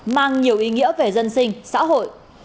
mang nhiều ý nghĩa về dân sinh xã hội